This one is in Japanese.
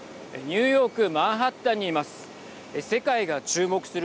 ニューヨークマンハッタンにいます。